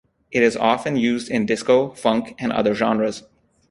It is often used in disco, funk, and other genres.